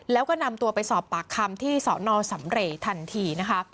แล้วก็นำตัวไปสอบปากคำที่สอนอสำเรย์ทันทีนะคะ